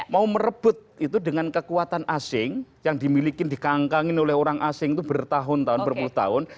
mau merebut itu dengan kekuatan asing yang dimiliki dikangkangin oleh orang asing itu bertahun tahun berpuluh tahun